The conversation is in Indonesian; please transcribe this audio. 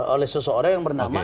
oleh seseorang yang bernama